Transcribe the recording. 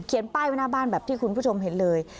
ป้ายไว้หน้าบ้านแบบที่คุณผู้ชมเห็นเลย